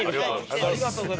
ありがとうございます。